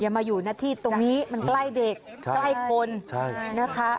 อย่ามาอยู่ในที่ตรงนี้มันใกล้เด็กใช่ใกล้คนใช่นะคะ